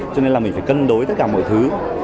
cho nên là mình phải cân đối tất cả mọi thứ